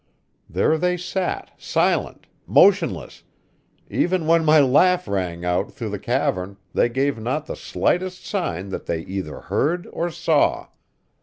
There they sat, silent, motionless; even when my laugh rang out through the cavern they gave not the slightest sign that they either heard or saw.